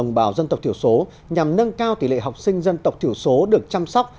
đồng bào dân tộc thiểu số nhằm nâng cao tỷ lệ học sinh dân tộc thiểu số được chăm sóc